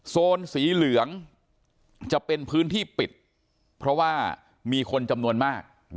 โซนสีเหลืองจะเป็นพื้นที่ปิดเพราะว่ามีคนจำนวนมาก